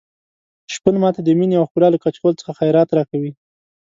شپون ماته د مينې او ښکلا له کچکول څخه خیرات راکوي.